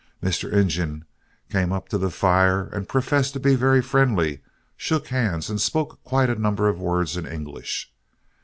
Mr. Injun came up to the fire and professed to be very friendly, shook hands, and spoke quite a number of words in English.